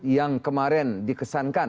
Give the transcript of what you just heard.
yang kemarin dikesankan